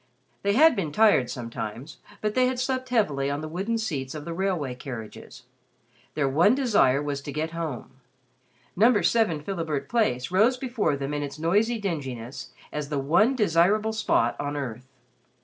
They had been tired sometimes, but they had slept heavily on the wooden seats of the railway carriages. Their one desire was to get home. No. 7 Philibert Place rose before them in its noisy dinginess as the one desirable spot on earth.